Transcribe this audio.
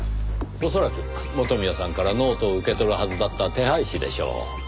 恐らく元宮さんからノートを受け取るはずだった手配師でしょう。